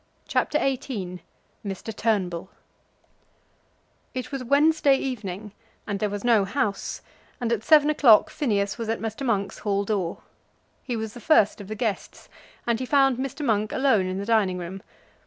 CHAPTER XVIII Mr. Turnbull It was a Wednesday evening and there was no House; and at seven o'clock Phineas was at Mr. Monk's hall door. He was the first of the guests, and he found Mr. Monk alone in the dining room.